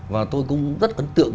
và tôi cũng rất ấn tượng